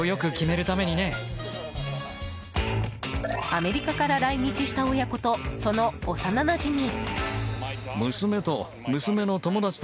アメリカから来日した親子とその幼なじみ。